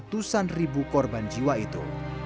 ratusan ribu korban jiwa itu